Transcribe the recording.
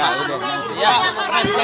organer satu lima juta